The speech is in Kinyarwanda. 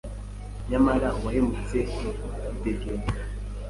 nyamara uwahemutse yidegembya,